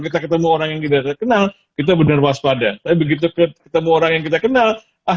kita ketemu orang yang tidak terkenal kita benar waspada tapi begitu ketemu orang yang kita kenal ah